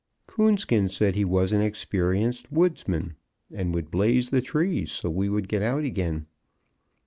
Coonskin said he was an experienced woodman, and would blaze the trees so we would get out again.